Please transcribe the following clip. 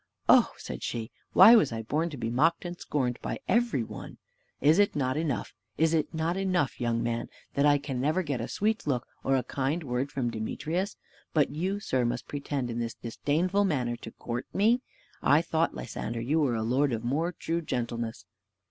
"Oh!" said she, "why was I born to be mocked and scorned by every one? Is it not enough, is it not enough, young man, that I can never get a sweet look or a kind word from Demetrius; but you, sir, must pretend in this disdainful manner to court me? I thought, Lysander, you were a lord of more true gentleness."